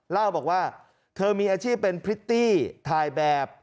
เล่าบอกว่าเธอมีอาชีพเป็นพริตตี้ถ่ายแบบ